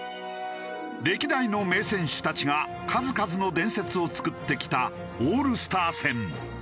歴代の名選手たちが数々の伝説を作ってきたオールスター戦。